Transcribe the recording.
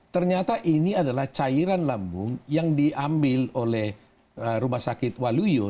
ternyata ini adalah cairan lambung yang diambil oleh rumah sakit waluyo